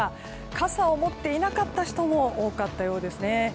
傘を持っていなかった人も多かったようですね。